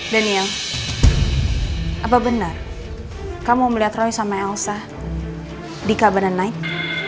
daniel apa benar kamu melihat roy sama elsa di cabana night